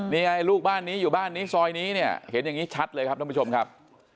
นี่ไงลูกบ้านนี้อยู่บ้านนี้ซอยนี้เนี่ยเห็นอย่างนี้ชัดเลยครับท่านผู้ชมครับ